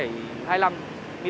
rượu hay bia